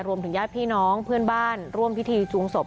รวมถึงย่ายพี่น้องเพื่อนบ้านร่วมพิธีจูงศพ